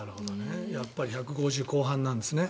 やっぱり１５０ｋｍ後半なんですね。